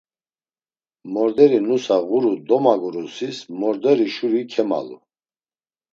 Morderi nusa ğuru domagurusis morderi şuri kemalu.